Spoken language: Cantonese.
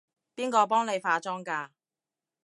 邊個幫你化妝㗎？